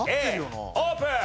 Ａオープン！